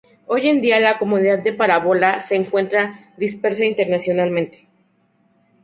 Hoy en día la comunidad de Parábola se encuentra dispersa internacionalmente.